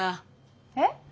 えっ？